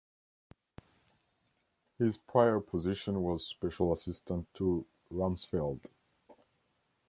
His prior position was Special Assistant to Rumsfeld.